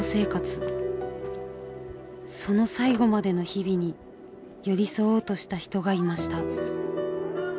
その最期までの日々に寄り添おうとした人がいました。